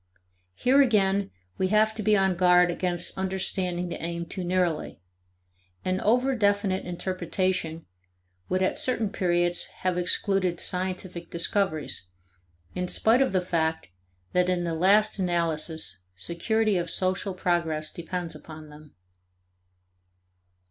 Here again we have to be on guard against understanding the aim too narrowly. An over definite interpretation would at certain periods have excluded scientific discoveries, in spite of the fact that in the last analysis security of social progress depends upon them.